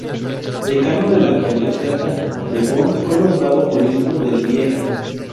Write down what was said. Decano de la Colegiata de Bonn, fue nombrado obispo de Lieja.